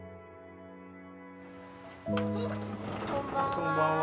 こんばんは。